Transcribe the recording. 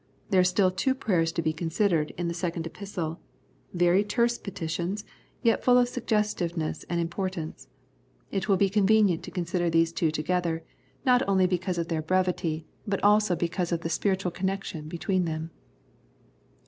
There are still two prayers to be considered in the second Epistle, very terse petitions, yet full of suggestiveness and im portance. It will be convenient to consider these two together, not only because of their 41 The Prayers of St. Paul brevity, but also because of the spiritual connection between them.